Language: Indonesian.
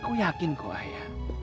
aku yakin kok ayah